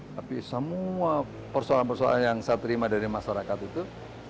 tapi semua persoalan persoalan yang saya terima dari masyarakat itu